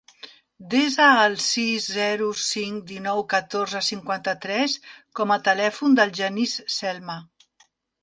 Desa el sis, zero, cinc, dinou, catorze, cinquanta-tres com a telèfon del Genís Celma.